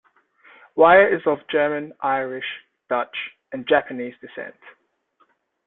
Wire is of German, Irish, Dutch, and Japanese descent.